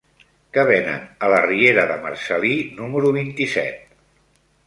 Què venen a la riera de Marcel·lí número vint-i-set?